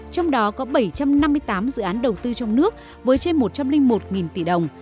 trong đó có bảy trăm năm mươi tám dự án đầu tư trong nước với trên một trăm linh một tỷ đồng